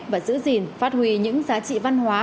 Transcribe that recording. và giữ gìn phát huy những giá trị văn hóa